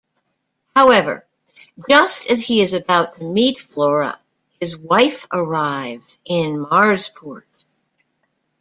However, just as he is about to meet Flora, his wife arrives in Marsport.